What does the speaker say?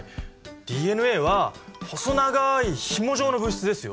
ＤＮＡは細長いひも状の物質ですよ！